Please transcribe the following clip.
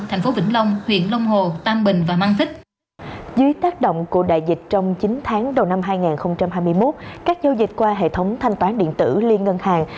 chín tháng đầu năm hai nghìn hai mươi một các giao dịch qua hệ thống thanh toán điện tử liên ngân hàng